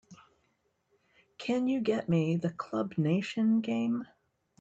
Can you get me the Club Nation game?